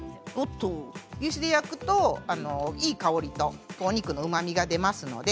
牛脂で焼くといい香りとお肉のうまみが出ますので。